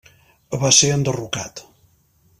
Va ser enderrocat.